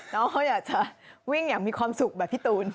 น้องเขาอยากจะวิ่งอย่างมีความสุขแบบพี่ตูน